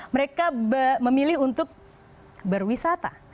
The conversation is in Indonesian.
mereka memilih untuk berwisata